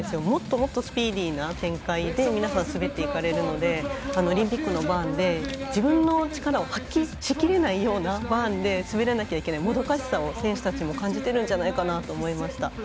もっともっとスピーディーな展開で皆さん滑っていかれるのでオリンピックのバーンで自分の力を発揮しきれないようなバーンで滑らなきゃいけないもどかしさを選手たちも感じているんじゃないかなと思いました。